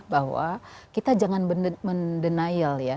bahwa kita jangan mendenial ya